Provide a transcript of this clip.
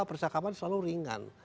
percakapan selalu ringan